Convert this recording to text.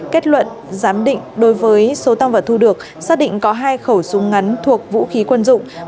kết luận giám định đối với số tăng vật thu được xác định có hai khẩu súng ngắn thuộc vũ khí quân dụng